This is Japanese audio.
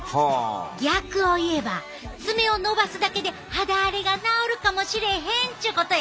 逆を言えば爪を伸ばすだけで肌荒れが治るかもしれへんっちゅうことや！